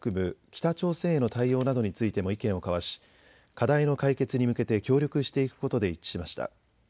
北朝鮮への対応などについても意見を交わし課題の解決に向けて協力していくことで一致しました。